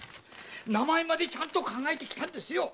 名前までちゃんと考えてきたんですよ！